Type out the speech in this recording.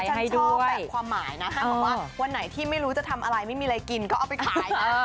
ฉันชอบแบ่งความหมายนะท่านบอกว่าวันไหนที่ไม่รู้จะทำอะไรไม่มีอะไรกินก็เอาไปขายนะ